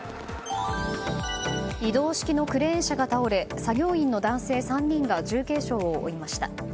移動式のクレーン車が倒れ作業員の男性３人が重軽傷を負いました。